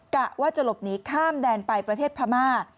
กะว่าจะหลบหนีข้ามแดนไปประเทศพม่า